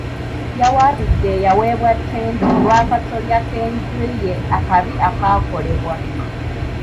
Yawaabidde eyaweebwa ttenda olw'akasolya k'enju ye akabi akaakolebwa.